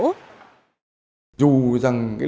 dù rằng lượng ethanol đưa ra